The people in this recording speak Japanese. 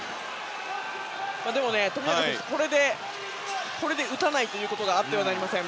富永選手はこれで打たないということあってはなりません。